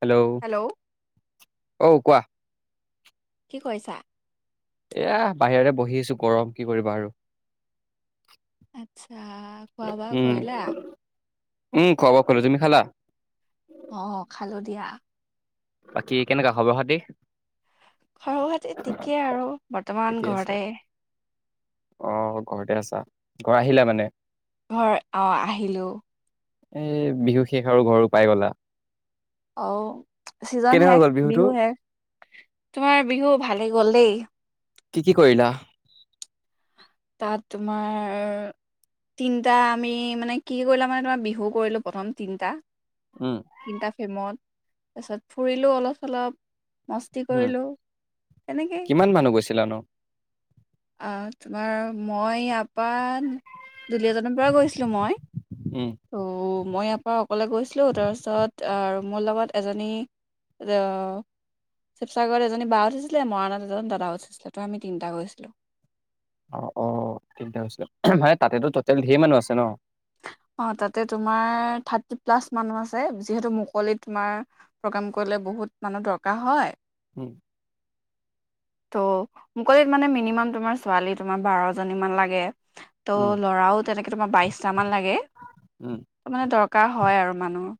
Hello অ কোৱা কি কৰিছা এয়া বাহিৰতে বহি আছো গৰম কি কৰিবা আৰু আচ্ছা খোৱা বোৱা উম কৰিলা উম খোৱা বোৱা কৰিলো তুমি খালা অ খালো দিয়া বাকী কেনেকুৱা খবৰ খাতি সৰু হোৱাতে ঠিকে আৰু বৰ্ত বৰ্তমান ঘৰতে অহ ঘৰতে আছা ঘৰ আহিলা মানে। ঘৰ আহ আহিলো এ বিহু শেষ আৰু ঘৰো পাই গলা অ চিজন কেনেকুৱা শেষ গ'ল বিহুটো বিহু শেষ তোমাৰ বিহু ভালেই গ'ল দেই। কি কি কৰিলা। তাত তোমাৰ তিনটা আমি মানে কি কৰিলা মানে তোমাৰ বিহু কৰিলো প্ৰথম তিনটা উম তিনটা ফেমত তাৰপিছত ফুৰিলো অলপ চলপ মস্তি উম কৰিলো তেনেকেই কিমান মানুহ গৈছিলা ন আহ তোমাৰ মই ইয়াৰপা দুলিয়াজানৰ পৰা গৈছিলো মই উম ত' মই ইয়াৰ পৰা অকলে গৈছিলো তাৰপিছত আৰু মোৰ লগত এজনী ৰ শিৱসাগৰত এজনী বা উঠিছিলে মৰাণত এজন দাদাও উঠিছিলে তো আমি তিনটা গৈছিলোঁ অ অ ঠিকে আছে উহ মানে তাতেতো টোটেল ধেৰ মানুহ আছে ন অ তাতে তোমাৰ থাৰ্টি প্লাছ মানুহ আছে। যিহেতু মুকলিত তোমাৰ প্ৰগ্ৰাম কৰিলে বহুত মানুহ দৰকাৰ হয়। উম ত' মুকলিত মানে মিনিমাম তোমাৰ ছোৱালী তোমাৰ বাৰজনীমান লাগে। ত' উম ল'ৰাও তেনেকে তোমাৰ বাইশটা মান লাগে উম ত মানে দৰ কাৰ হয় আৰু মানুহ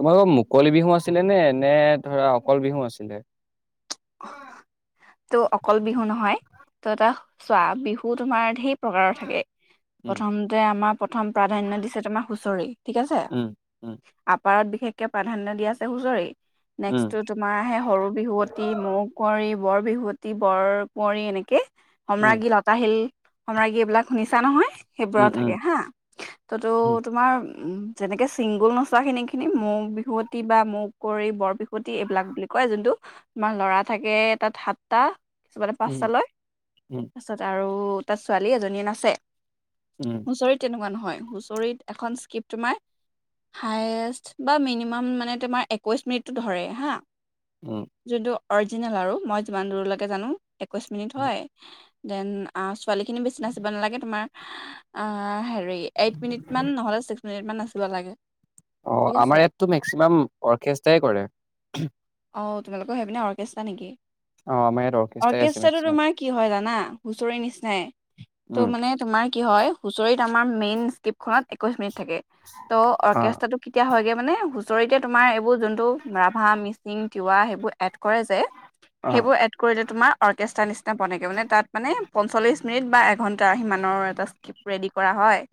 তোমালোকৰ মুকলি বিহু আছিলেনে এনে ধৰা অকল বিহু আছিলে। কোৱা অকল বিহু নহয় ত এটা চোৱা বিহু তোমাৰ ঢেৰ প্ৰকাৰৰ থাকে উম প্ৰথমতে আমাক প্ৰথম প্ৰাধান্য দিছে তোমাৰ হুঁচৰি ঠিক আছে উম উম আপাৰত বিশেষকৈ প্ৰাধান্য দিয় আছে হুঁচৰেই উম নেক্সটটো তোমাৰ আহে সৰু বিহু প্ৰতিযোগিতা মৌ কুঁৱৰী বৰ বিহুৱতী বৰ কুঁৱৰী এনেকে উম সম্ৰাগী লতা শিল সম্ৰাজ্ঞী এইবিলাক শুনিছা নহয় সেইবোৰো উম উম থাকে হা ততো উম তোমাৰ উম যেনেকে চিংগুল নচোৱা খিনি খিনি মৌ বিহুৱতী বা মৌ কুঁৱৰী বৰ বিহু মৌ এইবিলাক বুলি কয় যোনটো তোমাৰ লৰা থাকে তাত সাতটা কিছুমানমানে উম পাঁচটা লয় উম তাৰপিছত আৰু তাত ছোৱালী এজনী নাচে উম, আছে হুচৰিত তেনেকুৱা নহয় হয় হুঁচৰিৰ এখন ইচকিপ তোমাৰ হুঁচৰিৰ বা মিনিমাম তোমাৰ মানে একৈশ মিনিট ধৰে হা উম যোনটো অৰিজিনেল আৰু মই জিমান দূৰলৈকে জানো একৈশ মিনিট হয় দেন ছোৱালীখিনি বেচি নাচিব নালাগে তোমাৰ অ হে এইট মিনিট মান নহলে ছিক্স মিনিট মান আছে পোৰা লাগে অ ঠিক আছে আমাৰ ইয়াতো মেক্সিমাম অৰ্কেষ্ট্ৰাই কৰে অ তোমালোকৰ সেইপিনে অৰ্কেষ্ট্ৰাৰ নে কি অ', আমাৰ ইয়াত অৰ্কেষ্ট্ৰাই আছে অৰ্কেষ্ট্ৰাটো মেক্সিমাম। তোমাৰ কি হয় জানা হুঁচৰি নিচিনাই ত' উম, মানে তোমাৰ কি হয় হুঁচৰিত আমাৰ মেইন স্কীপখনত একৈশ মিনিট থাকে ত অ', অৰ্কেষ্ট্ৰটো কেতিয়া হয়গে মানে হুচৰিতে তোমাৰ এইবোৰ যোনটো ৰাভা মিচিং তিৱা সেইবোৰ এই বোৰ এড কৰা যায় অ', সেইবোৰ এড কৰিলে তোমাৰ অৰ্কেষ্ট্ৰা নিচিনা বনগে মানে তাত মানে পঞ্চল্লিছ মিনিট বা এঘণ্টা সিমানৰ এটা স্কীপ ৰেডি কৰা হয়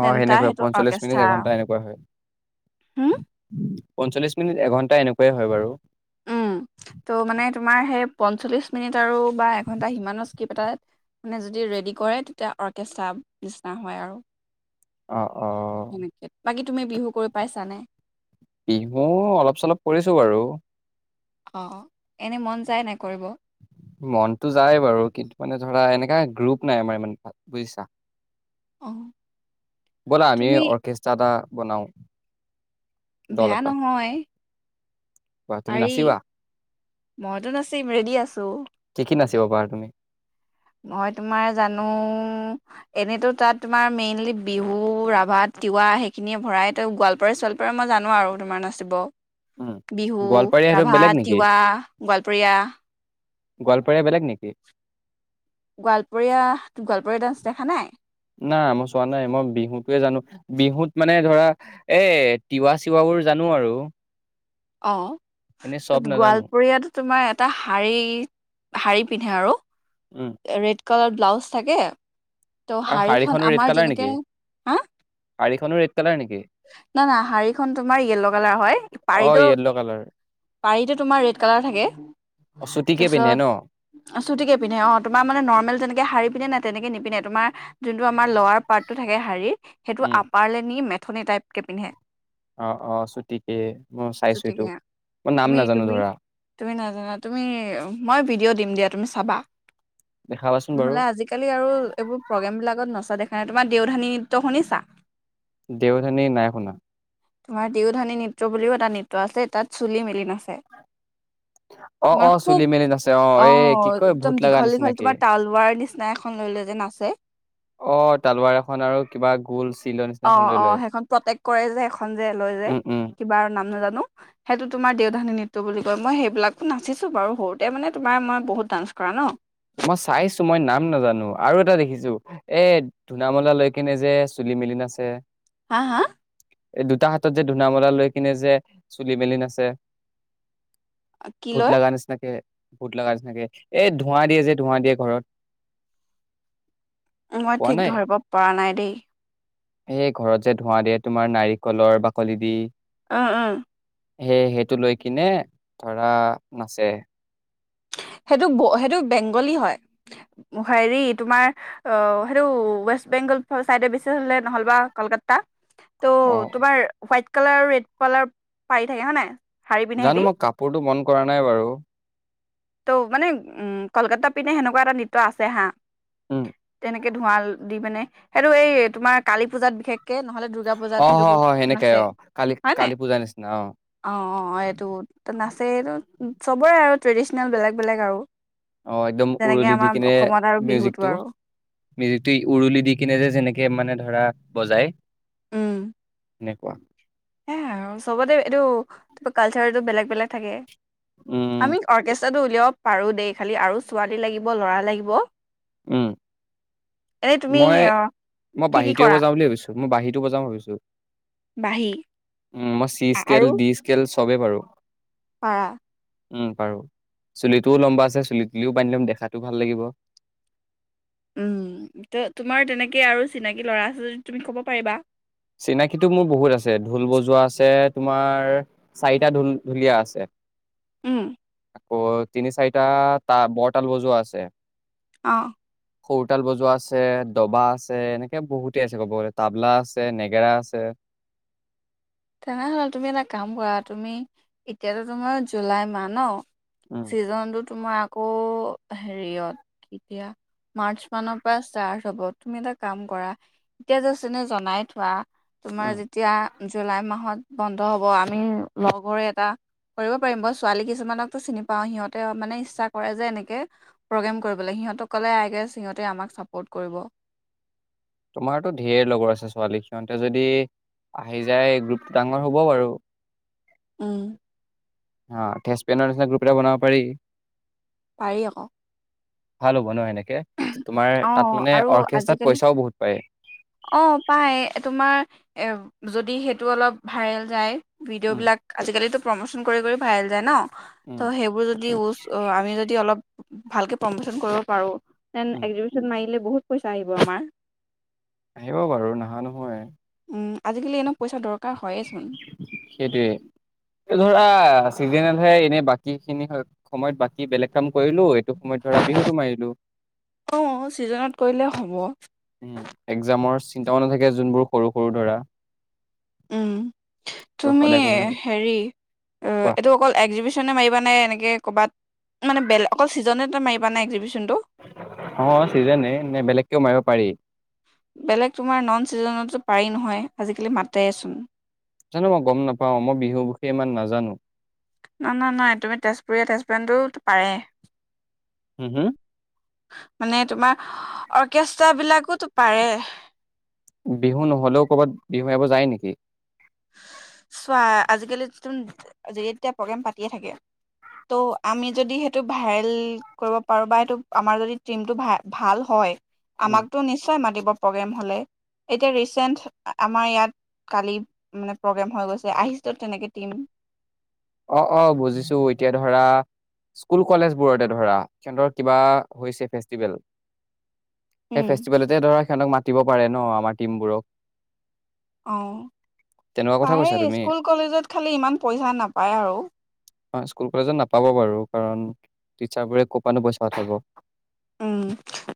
অঁ দেন তাৰ এনেকুৱাই সেইটো পঞ্চল্লিশ মিনিট অৰ্কেষ্ট্ৰা এঘন্টা এনেকুৱা হয়, হুম পঞ্চল্লিশ মিনিট এঘন্টা এনেুকোৱা হয় হয় বাৰু উম, ত' মানে তোমাৰ সেই পঞ্চল্লিছ মিনিট আৰু বা এঘণ্টা সিমানৰ স্কীপ এটা মানে যদি ৰেডি কৰে তেতিয়া অৰ্কেষ্ট্ৰা নিচিনা হয় আৰু। অঁ অ সেনেকে বাকী তুমি বিহু কৰি পাইছানে? বিহু, অলপ চলপ কৰিছো বাৰু। অ, এনে মন যায় নে মনতো যায় বাৰু, কিন্তু মানে ধৰা এনে এ গ্ৰুপ নাই আমাৰ ইমান তাত বুজিছা। অহ ব'লা আমিয়েই অৰ্কেষ্ট্ৰা এটা বনাওঁ বেয়া নহয় বা তুমি পাৰি, নাচিবা? মইতো নাচিম ৰেডি আছো। দিব পাৰা তুমি এনেইতো তাত তোমাৰ মেইনলি বিহু, ৰাভা, তিৱা সেইখিনিয়ে ভৰাইতো গোৱালপাৰা চোৱালপাৰা মই জানো আৰু তোমাৰ নাচিব। উম, বিহু, গোৱালপাৰীয়া সেইটো ৰাভা, বেলেগ নেকি? তিৱা, গোৱালপৰীয়া গোৱালপাৰীয়া বেলেগ নেকি? ব্ৰ ডান্স দেখা নাই? নাই মই চোৱা নাই মই বিহুটোৱে জানো, বিহুত মানে ধৰা এ তিৱা চিৱাবোৰ জানো আৰু অঁ এনে চব নাজানো গোৱালপৰীয়াটো তোমাৰ এটা শাৰী শাৰী পিন্ধে আৰু উম ৰেড কালাৰ ব্লাউজ থাকে ত আৰু শাৰীখন শাৰীখনো ৰেড আমাৰ কালাৰ যেনেকে, নেকি হা শাৰীখনো ৰেড কালাৰ নেকি না না শাৰীখন তোমাৰ য়েল্ল কালাৰ হয় অ পাৰীটো য়েল্ল' কালাৰ পাৰীটো তোমাৰ ৰেড কালাৰ থাকে। অ চুটিকে পিন্ধে তাৰছত ন চুটিকে পিন্ধে অঁ তোমাৰ মানে নৰ্মেল যেনেকে শাৰী পিন্ধে ন তেনেকে নিপিন্ধে তোমাৰ যোনটো আমাৰ লৱাৰ পাৰ্ট টো থাকে শাৰীত সেইটো উম আপাৰলেনি মে ঠনি টাইপ কে পিন্ধে অ অ চুটিকে মই চাইছো এইটো, চুটিকে মই নাম নাজানো ধৰা। আ তুমি, মই ভিডিঅ' দিম দিয়া তুমি চাবা। দেখাবাচোন বাৰু নহলে আজিকালি আৰু প্ৰগ্ৰেম বিলাকত নচা দেখা নাই। তোমাৰ দেউধানী নৃত্য শুনিছা? দেওধানী নাই শুনা। তোমাৰ দিওধানী নৃত্য বুলিও এটা নৃত্য আছে, তাত চুলি মেলি নাচে। অ অ তোমাৰ চুলি খুব মেলি নাছে অ এ কি অঁ, কয় ভূত একদম লগা দীঘল দীঘল নিচিনাকে তোমাৰ তালৱাৰ নিচিনা এখন লৈলে যে নাচ আহ তালুৱাৰ এখন আৰু কিবা গোল চিলৰ অ নিচিনাখন লৈ অ লয় সেইখন প্ৰটেক্ট কৰে যে এখন যে লয় যে উম উম কিবা আৰু নাজানো সেইটো তোমাৰ দেউধানী নৃত্য বুলি কয় মই সেইবিলাকো নাচিছো বাৰু সৰুতে মানে তোমাৰ মই বহুত ডান্স কৰা ন মই চাইছো মই নাম নাজানো আৰু এটা দেখিছো এ ধুনামলা লৈকনে যে চুলি মেলি নাছে হা হা এই দুটা হাতত যে ধূনা মৰা লৈ কিনে যে চুলি মেলি নাচে কি ভূত লয় লগা নিচিনাকে ভুত লগাৰ নিচিনাকে এই ধোঁৱা দিয়ে যে ধোঁৱা দিয়ে ঘৰত মই ঠিক ধৰিব পৰা নাই দেই এই ঘৰত যে ধোঁৱা দিয়ে তোমাৰ নাৰিকলৰ বাকলি দি আহ অ সেই সেইটো লৈ কিনে ধৰা নাচে সেইটো বেংগলী হয় হেৰি তোমাৰ অ সেইটো ৱেষ্ট বেংগল ফল চাইডে দিছে নহলে বা কলকাতা ত' অ তোমাৰ হাইট কালাৰ ৰেড কালাৰ পাৰি থাকে হয় নাই শাৰী পিন্ধে সিহঁতি জানো মই কাপোৰটো মন কৰা নাই বাৰু ত' মানে উ কলকাতা পিনে সেনেকুৱা এটা নৃত্য আছে হা উম এনেকে ধোঁৱাল দি মানে সেইটো এই তোমাৰ কালি পূজাত বিশেষ নহলে দুূৰ্গা পূজাত অ সেইটো ব হয় হয় সেনেকাই নাচে অ কালি হয় ন কালী পূজাৰ নিচিনা অ অ এইটো নাচে এইটো চবৰে আৰু ট্ৰেডিচনে বেলেগ বেলেগ আৰু অ একদম যেনেকে উৰুলি দি আমাৰ কিনে অসমত আৰু বিহুটো মিউজিকটো আৰু মিউজিকটো উৰুলি দি কিনে যে যেনেকে মানে ধৰা বজাই এনেকুৱা হ আৰু চবতে এইটো তাৰ কালচাৰটো বেলেগ বেলেগ থাকে উম আমি অৰ্কেষ্ট্ৰাটো উলিয়াও পাৰো দেই খালি আৰু ছোৱালী লাগিব ল'ৰা লাগিব উম এনে তুমি মই অ মই কি কি বাহিটো কৰা বজাওঁ বুলি ভাবিছো মই বাহিটো বজাম ভাবিছো বাঁহী উম মই চি সকেল ডি স্কেল তব বাৰু পৰাৰা উম পাৰো চুলিটোও লম্বা আছে চুলি তুলিও বান্ধি লম দেখাতটো ভাল লাগিব উম তোমাৰ তেনেকে আৰু চিনাকি ল'ৰা আছে যদি তুমি ক'ব পাৰিবা চিনাকীটো মোৰ বহুত আছে ঢোল বজোৱা আছে তোমাৰ চাৰিটা ঢোল ঢুলীয়া আছে উম অ তিনি চাৰিটা তা বৰ তাল বজোৱা আছে আহ সৰুতাল বজোৱা আছে দবা আছে এনেকে বহুতে আছে ক'ব গ'লে তাবলা আছে আছে নেগেৰা আছে তেনেহলে তুমি এটা কাম কৰা তুমি এতিয়াতো তোমাৰ জুলাই মাহ ন উম ছিজনটোত তোমাৰ আকৌ হেৰিয়ত এতিয়া মাৰ্চ মানৰ পৰা ষ্টাৰ্ট হব তুমি এটা কাম কৰা এতিয়া জাষ্ট এনেই জনাই থোৱা তোমাৰ উম যেতিয়া লাই মাহত বন্ধ হ'ব আমি লগৰে এটা কৰিব পাৰিম মই ছোৱালী কিছুমানকো চিনি পাওঁ সিহঁতে মানে ইচ্ছা কৰে যে এনেকে প্ৰগ্ৰেম কৰিব লাগে সিহঁতক ক'লে আই গেছ সিহঁতে আমাক চাপৰ্ট কৰিব তোমাৰতো ঢেৰ লগৰ আছে ছোৱালী সিহঁতে যদি আহি যায় গ্ৰুপটো ডাঙৰ হ'ব বাৰু উম অ তেচপেনৰ নিচিনা গ্ৰুপ এটা বনাব পাৰি পাৰি আকৌ ভাল হব ন এনেকে অ আৰু আজিকালি পইচাও বহুত পায় অ পাই তোমাৰ যদি সেইটো অলপ ভাইৰেল যায় ভিডিঅ' উম বিলাক আজিকালিতো প্ৰমোচন কৰি কৰি ভাইৰেল যায় ন উম ত সেইবোৰ যদি চ আমি যদি অলপ ভালকে প্ৰমোচন কৰিব পাৰো তে উম এক্জিবিচন মাৰিলে বহুত পইচা আহিব আমাৰ আহিব বাৰু নহা নহয় উ আজিকালি এনেক সেইটোৱেই ধৰা চিজেনতহে এনেই বাকীখিনি সময়ত বাকী বেলেগ কাম কৰিলো এইটো সময়ত ধৰা বিহুটো মাৰিলো অ' ছিজনত কৰিলে হ'ব উম্ এক্জামৰ চিন্তা নাথাকে যোনবোৰ সৰু সৰু ধৰা উম ত তুমি সদায় কৰিব নালাগে হেৰি কোৱা এইটো অকল এক্জিবেশনে মাৰিবা নে এনেকে কৰ'বাত মানে বেলে অকল চিজনতে মাৰিবা নে এক্জিবেশন অ চিজনে নে বেলেগকেও মাৰিব পাৰি বেলেগ তোমাৰ নন চিজনতো পাৰি নহয় আজিকালি মাতেচোন জানো মই গম নাপাও মই বিহুৰ বিষয়ে ইমান নাজানো ন নহ নহয় তুমি তেজপুৰীয়া তেজপুৰনতো পাৰে হম হম মানে তোমাৰ অৰ্কেষ্ট্ৰা বিলাকোতো পাৰে বিহু নহলেও কৰ'বাত বিহু মাৰিব যায় নেকি চোৱা আজিকালি যিতু তেতিয়া প্ৰগ্ৰেম পাতিয়ে থাকে ত' আমি যদি সেইটো ভাইৰেল কৰিব পাৰো বা সেইটো আমাৰ যদি টিমটো ভাল হয় উম, আমাকতো নিশ্চয় মাতিব প্ৰগ্ৰেম হ'লে এতিয়া ৰিচেণ্ট আমাৰ ইয়াত কালি। মানে প্ৰগ্ৰেম হৈ গৈছে, আহিছে ত তেনেকে টিম অ অ বুজিছো এতিয়া ধৰা স্কুল কলেজবোৰতে ধৰা কেন্দ্ৰত কিবা হৈছে ফেষ্টিভেল সেই উম ফেষ্টিভেলতে ধৰা সিহঁতক মাতিব পাৰে ন আমাৰ টিমবোৰক অ তেনেকুৱা কথা কৈছা পাৰে তুমি। স্কুল কলেজত খালি ইমান পইচা নাপায় আৰু অ স্কুল কলেজত নাপাব বাৰু কাৰণ টিচাৰবোৰে ক'পানো পইচা পঠাব উম,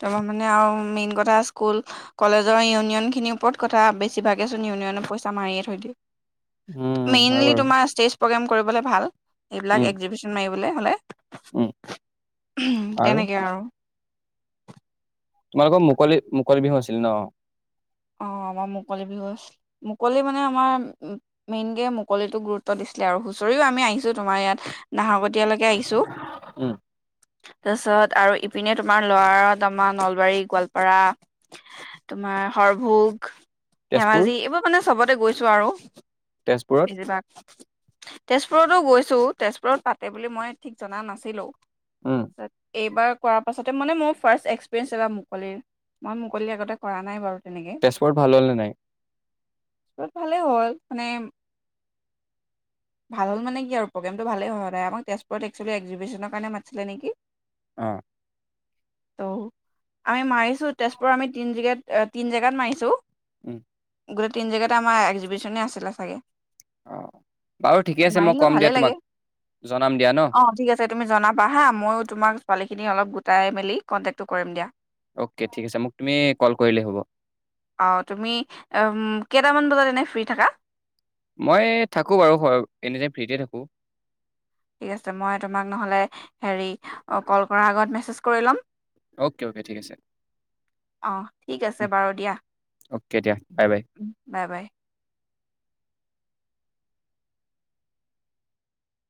তাৰ মানে আৰু মেইন কথা স্কুল কলেজৰ ইউনিয়নখিনিৰ ওপৰত কথা বেছিভাগেচোন ইউনিয়নৰ পইচা মাৰিয়ে থৈ উম, দিয়ে হয় মেইনলি বাৰু তোমাৰ প্ৰগ্ৰেম কৰিবলৈ ভাল এইবিলাক উম, এক্সজিভিশ্যন মাৰিব বোলে হ'লে উম, তেনেকে আৰু তোমালোকৰ মুকলি মুকলি বিহু আছিল ন? অ আমাৰ মুকলি বিহু। মুকলি মানে আমাৰ মেইনকে মুকলিতোক গুৰুত্ব দিছিলে আও, হুঁচৰিও আমি আহিছো তোমাৰ ইয়াত নাহকটীয়ালৈকে আহিছোঁ উম, তাৰপিছত আৰু ইপিনে তোমাৰ লয়াৰত আমাৰ নলবাৰী গোৱালপাৰা তোমাৰ সৰভোগ তেজপুৰ ধেমাজি এইবোৰ মানে চবতে গৈছো আৰু তেজপুৰত তেজপুৰ তেজপুৰতো গৈছোঁ, তেজপুৰত পাতে বুলি মই ঠিক জনা নাছিলোঁ উম, এইবাৰত কৰা পাছতে মানে মোৰ ফাৰ্ষ্ট এক্সপিৰিয়েন্ঞ্চ এবাৰ মুকলি, মই মুকলি আগতে কৰা নাই বাৰু তেনেকে তেজপুৰত ভাল হ'ল নে নাই ভালেই হ'ল মানে ভাল হ'ল মানে কি আৰু প্ৰগেমটো ভালেই হয় সদায়, আমাক তেজপুৰ এক্সুৱেলি এক্সিবিশ্যনৰ কাৰণে মতিছিলে নেকি অ ত আমি মাৰিছো তেজপুৰৰ আমি তিন জেগাত তিন জেগাত মাৰিছো উম গোটেই তিন জেগাততে আমাৰ এক্সিবিশনে আছিলে চাগে অ বাৰু ঠিকে আছে মই মাৰিলে ক'ম ভালে দিয়া তোমাক লাগে জনাম দিয়া ন'? অ ঠিক আছে তুমি জনাবা হা মইও তোমাক ছোৱালী খিনি অলপ গোটাই মেলি কণ্টেক্টটো কৰিম দিয়া অ'কে ঠিক আছে মোক তুমি কল কৰিলেই হ'ব অ তুমি উ কেইটামান বজাত এনেই ফ্ৰী থাকা মই থাকোঁ বাৰু এনিটাইম ফ্ৰীতে থাকোঁ ঠিক আছে মই তোমাক নহ'লে হেৰি কল কৰা আগত মেছেজ কৰি লম অ'কে অ'কে ঠিক আছে অ' ঠিক আছে বাৰু দিয়া, অ'কে দিয়া বাই বাই বাই বাই।